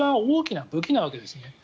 大きな武器なわけです。